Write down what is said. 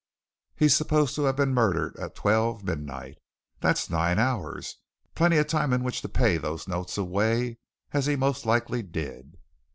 He's supposed to have been murdered at twelve midnight. That's nine hours. Plenty of time in which to pay those notes away as he most likely did."